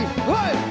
didi beri sekali